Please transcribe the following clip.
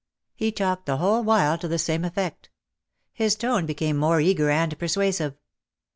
He talked the whole while to the same effect. His tone became more eager and persuasive.